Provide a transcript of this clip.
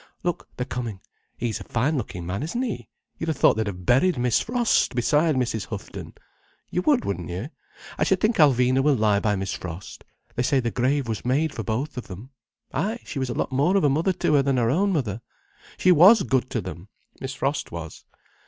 Look, they're coming. He's a fine looking man, isn't he? You'd have thought they'd have buried Miss Frost beside Mrs. Houghton. You would, wouldn't you? I should think Alvina will lie by Miss Frost. They say the grave was made for both of them. Ay, she was a lot more of a mother to her than her own mother. She was good to them, Miss Frost was.